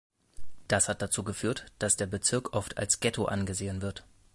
Das hat dazu geführt, dass der Bezirk oft als Ghetto angesehen wird.